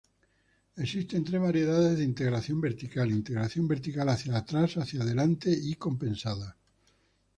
Existen tres variedades de integración vertical: integración vertical hacia atrás, hacia delante y compensada.